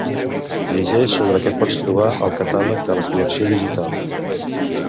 Llegeix sobre què pots trobar al catàleg de la Col·lecció Digital.